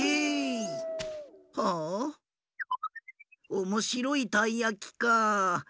おもしろいたいやきかあ。